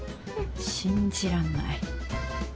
信じらんない。